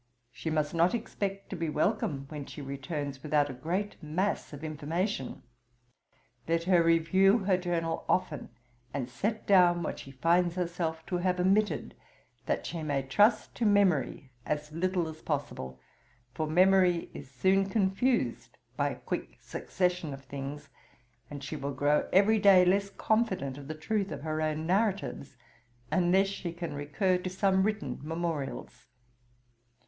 She must not expect to be welcome when she returns, without a great mass of information. Let her review her journal often, and set down what she finds herself to have omitted, that she may trust to memory as little as possible, for memory is soon confused by a quick succession of things; and she will grow every day less confident of the truth of her own narratives, unless she can recur to some written memorials.